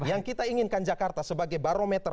yang kita inginkan jakarta sebagai barometer